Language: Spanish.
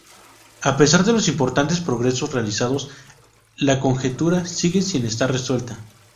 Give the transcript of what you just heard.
A pesar de los importantes progresos realizados, la conjetura sigue sin estar resuelta.